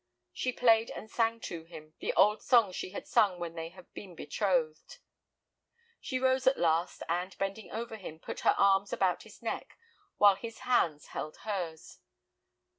She played and sang to him, the old songs she had sung when they had been betrothed. She rose at last, and, bending over him, put her arms about his neck, while his hands held hers.